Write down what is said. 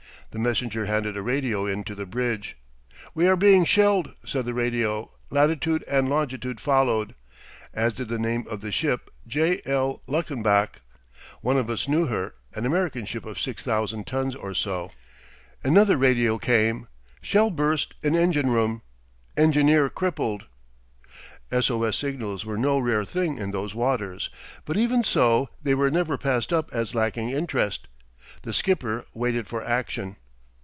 The messenger handed a radio in to the bridge. "We are being shelled," said the radio; latitude and longitude followed, as did the name of the ship, J. L. Luckenbach. One of us knew her; an American ship of 6,000 tons or so. Another radio came: "Shell burst in engine room. Engineer crippled." S O S signals were no rare thing in those waters, but even so they were never passed up as lacking interest; the skipper waited for action.